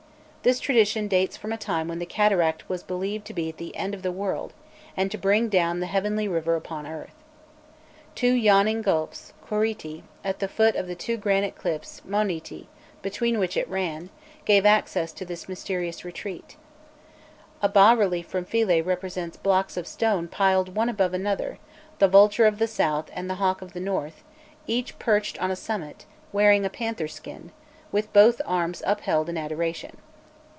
This tradition dates from a time when the cataract was believed to be at the end of the world, and to bring down the heavenly river upon earth. Two yawning gulfs (qorîti), at the foot of the two granite cliffs (monîti) between which it ran, gave access to this mysterious retreat. A bas relief from Philae represents blocks of stone piled one above another, the vulture of the south and the hawk of the north, each perched on a summit, wearing a panther skin, with both arms upheld in adoration.